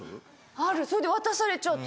あるそれで渡されちゃって。